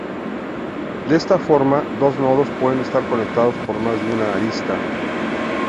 De esta forma, dos nodos pueden estar conectados por más de una arista.